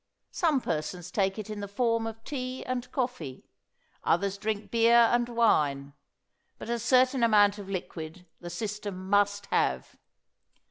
Some persons take it in the form of tea and coffee; others drink beer and wine; but a certain amount of liquid the system must have.